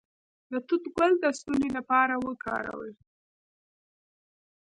د توت ګل د ستوني لپاره وکاروئ